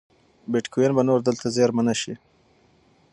بېټکوین به نور دلته ونه زېرمه شي.